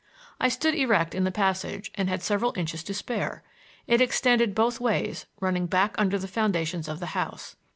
I stood erect in the passage and had several inches to spare. It extended both ways, running back under the foundations of the house.